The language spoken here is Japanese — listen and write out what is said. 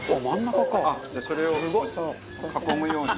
あっそれを囲むように。